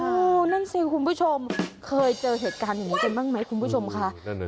้าวนั้นสิคุณผู้ชมเคยเจอเหตุการณ์อย่างนี้ได้บ้างมั้ยคุณผู้ชมค่ะแบบนั้นนึก